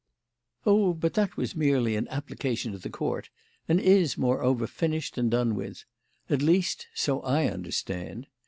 "Oh, but that was merely an application to the Court, and is, moreover, finished and done with. At least, so I understand.